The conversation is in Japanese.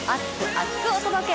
厚く！お届け！